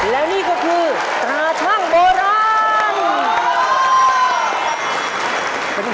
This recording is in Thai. แล้วนี่ก็คือตาชั่งโบราณ